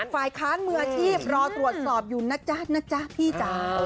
ฝ่ายค้านมืออาชีพรอตรวจสอบอยู่นะจ๊ะนะจ๊ะพี่จ๊ะ